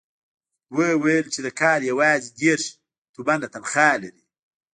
ويې ويل چې د کال يواځې دېرش تومنه تنخوا لري.